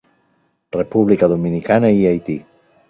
República Dominicana i Haití.